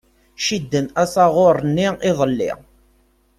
Cidden asaɣuṛ-nni iḍelli.